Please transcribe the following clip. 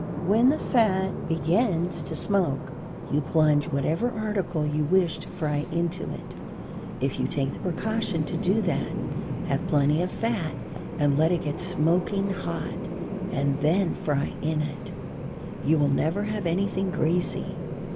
When the fat begins to smoke you plunge whatever article you wish to fry into it. If you take the precaution to do that, have plenty of fat and let it get smoking hot and then fry in it, you will never have anything greasy.